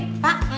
pak mau nggak